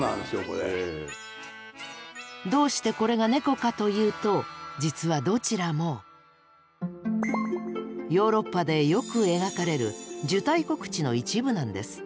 どうしてこれがネコかというと実はどちらもヨーロッパでよく描かれる「受胎告知」の一部なんです。